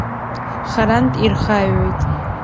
Харантә ирхаҩоит.